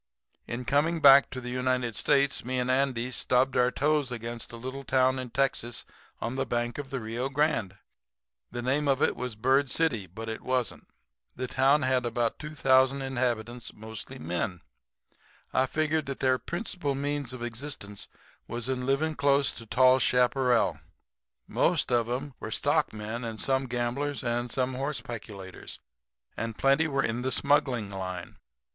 "In coming back to the United States me and Andy stubbed our toes against a little town in Texas on the bank of the Rio Grande. The name of it was Bird City; but it wasn't. The town had about 2,000 inhabitants, mostly men. I figured out that their principal means of existence was in living close to tall chaparral. Some of 'em were stockmen and some gamblers and some horse peculators and plenty were in the smuggling line.